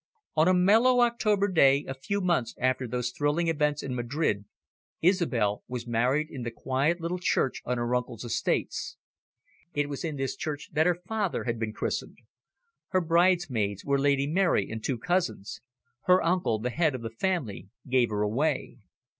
On a mellow October day, a few months after those thrilling events in Madrid, Isobel was married in the quiet little church on her uncle's estates. It was in this church that her father had been christened. Her bridesmaids were Lady Mary and two cousins. Her uncle, the head of the family, gave her away.